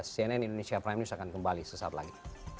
cnn indonesia prime news akan kembali sesaat lagi